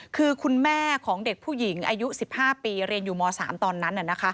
คือคุณแม่ของเด็กผู้หญิงอายุ๑๕ปีเรียนอยู่ม๓ตอนนั้น